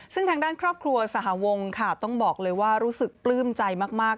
ซึ่งทางด้านครอบครัวสหวงค่ะต้องบอกเลยว่ารู้สึกปลื้มใจมาก